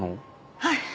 はい。